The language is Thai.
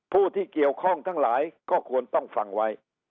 ผู้ที่เกี่ยวข้องทั้งหลายก็ควรต้องฟังไว้